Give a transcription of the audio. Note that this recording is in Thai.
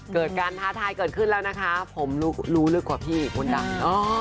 เกิดการท้าทายเกิดขึ้นแล้วนะคะผมรู้ลึกกว่าพี่มดดำ